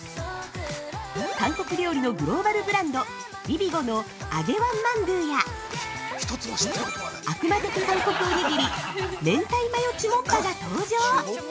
韓国料理のグローバルブランドｂｉｂｉｇｏの揚げ王マンドゥや悪魔的韓国おにぎり明太マヨチュモッパが登場。